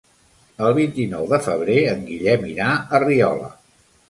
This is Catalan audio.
El vint-i-nou de febrer en Guillem irà a Riola.